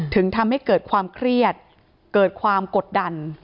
ถึงทำให้เกิดความเครียดเกิดความกดดัน